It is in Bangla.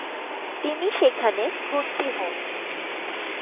তিনি সেখানে ভরতি হন।